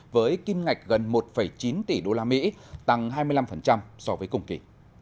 với kim ngạch gần một chín tỷ usd tăng hai mươi năm so với cùng kỳ